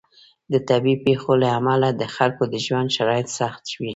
د طبیعي پیښو له امله د خلکو د ژوند شرایط سخت شوي.